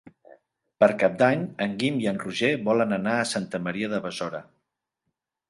Per Cap d'Any en Guim i en Roger volen anar a Santa Maria de Besora.